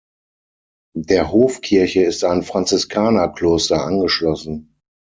Der Hofkirche ist ein Franziskanerkloster angeschlossen.